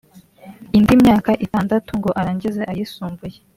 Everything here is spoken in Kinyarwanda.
indi myaka itandatu ngo arangize ayisumbuye